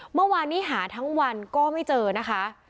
เมื่อวานนี้หาทั้งวันก็ไม่เจอนะคะ